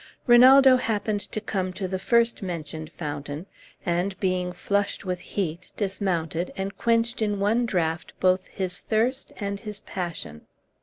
Rinaldo happened to come to the first mentioned fountain, and, being flushed with heat, dismounted, and quenched in one draught both his thirst and his passion.